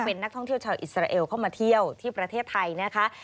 เป็นนักท่องเที่ยวชาวอิสราเอลเข้ามาเที่ยวที่ประเทศไทยนะคะ